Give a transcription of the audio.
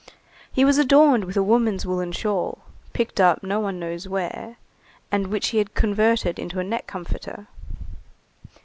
He was adorned with a woman's woollen shawl, picked up no one knows where, and which he had converted into a neck comforter.